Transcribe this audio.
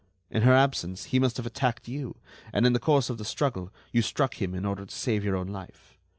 In her absence, he must have attacked you, and in the course of the struggle you struck him in order to save your own life.